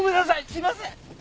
すいません！